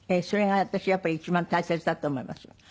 それが私やっぱり一番大切だと思います。